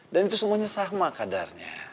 dan itu sama kadarnya